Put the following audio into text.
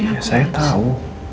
ya saya tau